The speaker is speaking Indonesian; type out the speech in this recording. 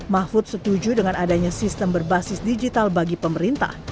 mahfud setuju dengan adanya sistem berbasis digital bagi pemerintah